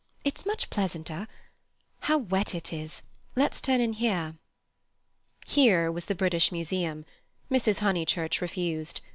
It's much pleasanter. How wet it is! Let's turn in here." "Here" was the British Museum. Mrs. Honeychurch refused.